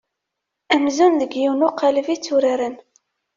Amzun deg yiwen uqaleb i tturaren.